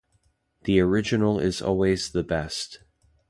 The original is always the best.